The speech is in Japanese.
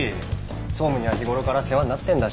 総務には日頃から世話になってんだし。